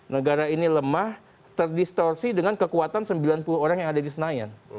negara ini lemah terdistorsi dengan kekuatan sembilan puluh orang yang ada di senayan